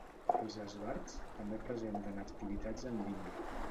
Els esbarts també presenten activitats en línia.